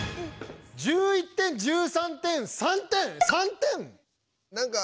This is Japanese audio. １１点１３点３点！